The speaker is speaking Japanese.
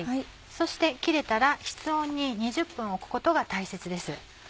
そして切れたら室温に２０分置くことが大切です。